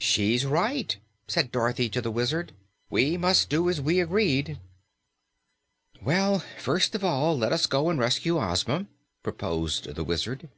"She's right," said Dorothy to the Wizard. "We must do as we agreed." "Well, first of all, let us go and rescue Ozma," proposed the Wizard.